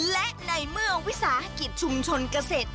และในเมื่อวิสาหกิจชุมชนเกษตร